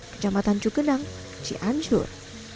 kejamatan cukenang cianjur